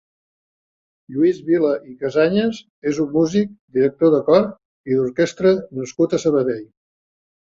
Lluís Vila i Casañas és un músic, director de cor i d'orquestra nascut a Sabadell.